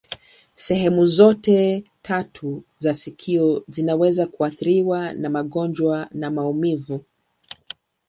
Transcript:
Sehemu zote tatu za sikio zinaweza kuathiriwa na magonjwa na maumivu.